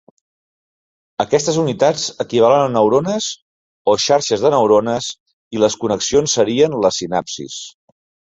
Aquestes unitats equivalen a neurones o xarxes de neurones i les connexions serien les sinapsis.